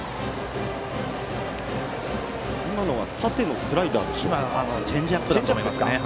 今のは縦のスライダーだったでしょうか。